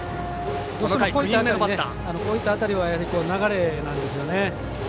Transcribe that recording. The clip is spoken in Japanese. こういった辺りは流れなんですよね。